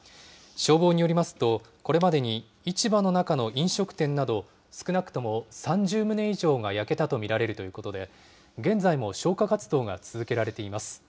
消防によりますと、これまでに市場の中の飲食店など少なくとも３０棟以上が焼けたと見られるということで、現在も消火活動が続けられています。